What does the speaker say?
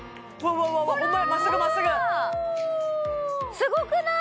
すごくない？